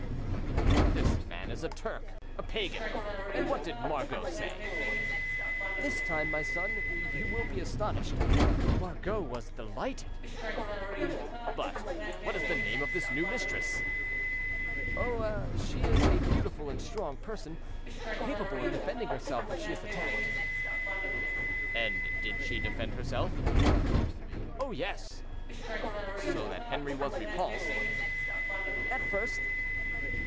"But this man is a Turk—a Pagan. And what did Margot say?" "This time, my son, you will be astonished. Margot was delighted." "But what is the name of this new mistress?" "Oh! she is a beautiful and strong person, capable of defending herself if she is attacked." "And did she defend herself?" "Oh, yes!" "So that Henri was repulsed?" "At first."